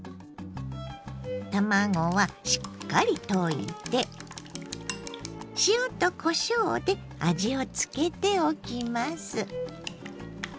卵はしっかり溶いて塩とこしょうで味を付けておきます。